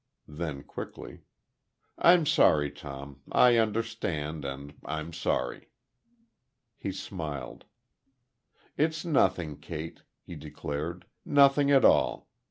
Then, quickly: "I'm sorry, Tom.... I understand, and I'm sorry." He smiled. "It's nothing, Kate," he declared, "nothing at all.